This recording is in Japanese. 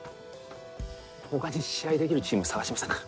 他に試合できるチーム探しませんか？